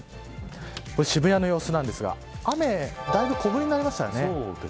渋谷の様子なんですが雨だいぶ小降りになりましたね。